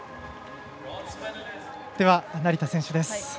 では、成田選手です。